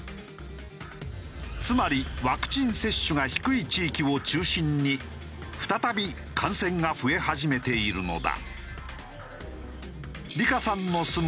つまりワクチン接種が低い地域を中心に再び感染が増え始めているのだ。